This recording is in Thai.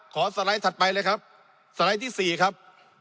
สไลด์ถัดไปเลยครับสไลด์ที่๔ครับ